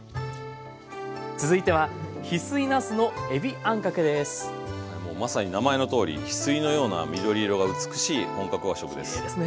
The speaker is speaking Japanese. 続いてはもうまさに名前のとおり翡翠のような緑色が美しい本格和食です。